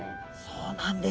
そうなんです。